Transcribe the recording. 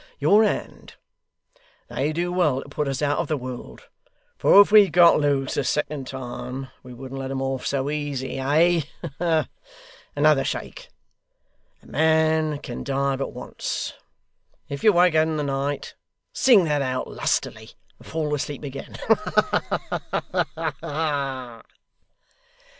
Your hand! They do well to put us out of the world, for if we got loose a second time, we wouldn't let them off so easy, eh? Another shake! A man can die but once. If you wake in the night, sing that out lustily, and fall asleep again. Ha ha ha!